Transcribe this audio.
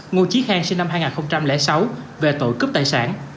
ngô trí khang sinh năm hai nghìn sáu về tội cướp tài sản